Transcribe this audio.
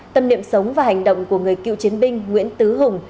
tâm niệm sống và hành động của người cựu chiến binh nguyễn tứ hùng